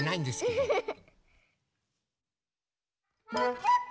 ウフフフ！